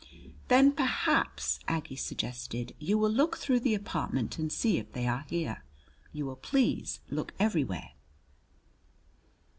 "Then, perhaps," Aggie suggested, "you will look through the apartment and see if they are here. You will please look everywhere!"